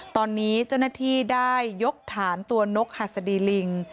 ตอนนี้เจ้าหน้าที่ได้ยกฐานตัวนกหัสดีลิง